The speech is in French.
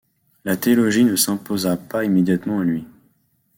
La théologie ne s'imposa pas immédiatement à lui.